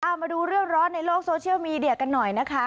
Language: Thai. เอามาดูเรื่องร้อนในโลกโซเชียลมีเดียกันหน่อยนะคะ